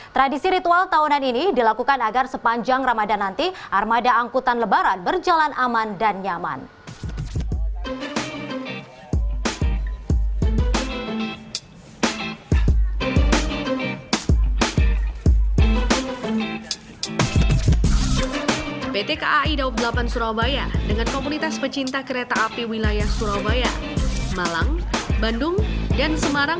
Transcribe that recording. tradisi ritual tahunan ini dilakukan agar sepanjang ramadan nanti armada angkutan lebaran berjalan aman dan nyaman